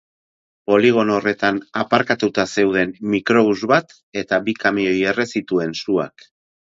Poligono horretan aparkatuta zeuden mikrobus bat eta bi kamioi erre zituen suak.